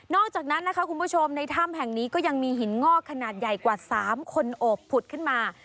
อกจากนั้นนะคะคุณผู้ชมในถ้ำแห่งนี้ก็ยังมีหินงอกขนาดใหญ่กว่า๓คนโอบผุดขึ้นมา